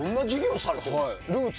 どんな授業をされているんですか？